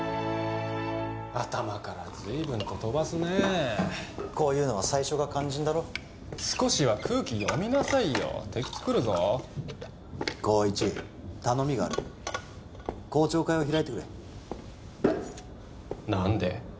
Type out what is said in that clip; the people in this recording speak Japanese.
頭から随分と飛ばすねこういうのは最初が肝心だろ少しは空気読みなさいよ敵つくるぞ紘一頼みがある公聴会を開いてくれ何で？